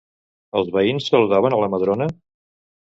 Els veïns saludaven a la Madrona?